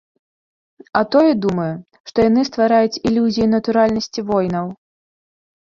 А тое, думаю, што яны ствараюць ілюзію натуральнасці войнаў.